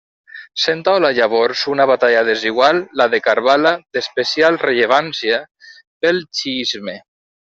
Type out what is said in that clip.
S'entaula llavors una batalla desigual, la de Karbala, d'especial rellevància pel xiisme.